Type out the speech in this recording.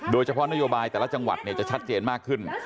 โดยเฉพาะนโยบายแต่ละจังหวัดจะชัดเจนมากขึ้น